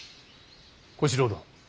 小四郎殿。